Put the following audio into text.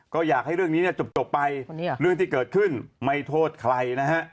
ก็อยากให้เรื่องนี้จบไปเรื่องที่เกิดขึ้นไม่โทษใครนะฮะ